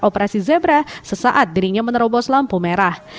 operasi zebra sesaat dirinya menerobos lampu merah